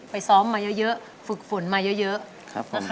ไปซ้อมมาเยอะฝึกฝนมาเยอะ